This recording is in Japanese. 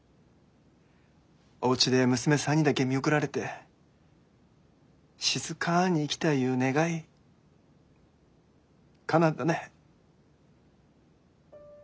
おうちで娘さんにだけ見送られて静かに逝きたいいう願いかなったね。